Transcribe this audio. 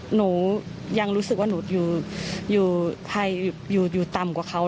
หนูยังรู้สึกว่าหนูอยู่ต่ำกว่าเขา